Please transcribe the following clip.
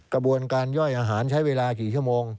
กระบวนการย่อยอาหารใช้เวลากี่ชั่วโมง